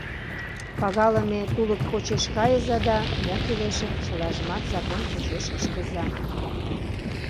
— Пагалыме тулык почеш кайыза да мо кӱлешым чылажымат закон почеш ыштыза.